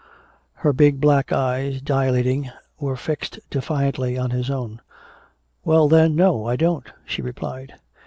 Her big black eyes, dilating, were fixed defiantly on his own. "Well then, no, I don't!" she replied.